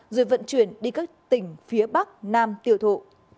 rồi vận chuyển đi các tỉnh phía bắc nam tiêu thụ